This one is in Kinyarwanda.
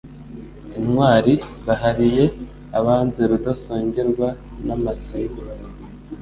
Intwari bahariye ibanzeRudasongerwa n' amasibe